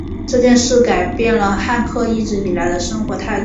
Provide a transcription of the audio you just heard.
这件事改变了汉克一直以来的生活态度。